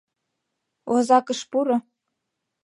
Возакыш пуро.